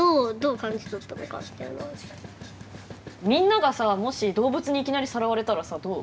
みんながさもし動物にいきなりさらわれたらさどう？